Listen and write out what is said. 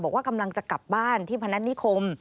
บอกว่ากำลังจะกลับบ้านที่พนัฐนิคม